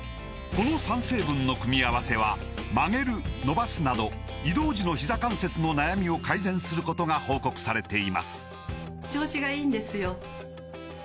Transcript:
この３成分の組み合わせは曲げる伸ばすなど移動時のひざ関節の悩みを改善することが報告されています